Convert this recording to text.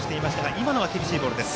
今のは厳しいボールです。